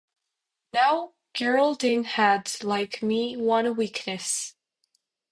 Now Geraldine, had, like me, one weakness.